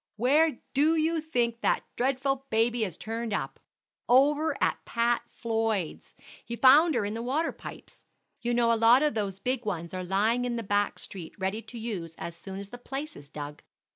"Where do you think that dreadful baby has turned up? Over at Pat Floyd's. He found her in the water pipes. You know a lot of those big ones are lying in the back street ready to use as soon as the place is dug.